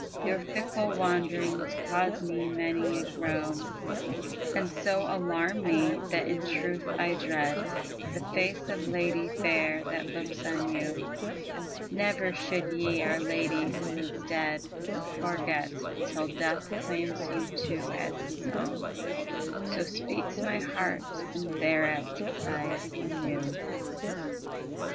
Your fickle wanderings cause me many a groan And so alarm me, that in truth I dread The face of lady fair that looks on you. Never should ye our Lady who is dead Forget, till death claims you too as his own." So speaks my heart, and thereat sighs anew.